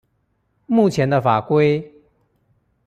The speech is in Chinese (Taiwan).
目前的法規